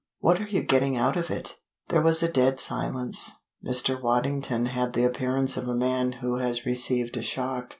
What are you getting out of it?" There was a dead silence. Mr. Waddington had the appearance of a man who has received a shock.